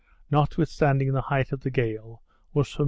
notwithstanding the height of the gale was from N.